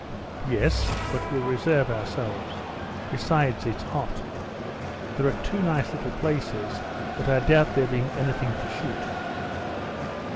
"Yes; but we'll reserve ourselves; besides it's hot. There are two nice little places, but I doubt there being anything to shoot."